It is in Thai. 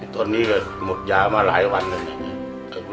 ตอนนี้ก็หมดยามาหลายวันนะครับ